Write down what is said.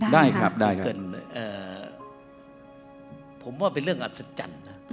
ได้ครับได้ครับขอเกินผมว่าเป็นเรื่องอัศจรรย์